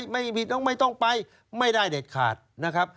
ไม่ต้องไปไม่ได้เด็ดขาดนะครับ